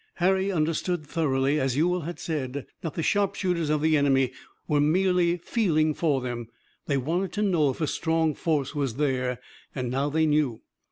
Harry understood thoroughly, as Ewell had said, that the sharpshooters of the enemy were merely feeling for them. They wanted to know if a strong force was there, and now they knew.